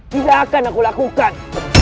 tidak akan aku lakukan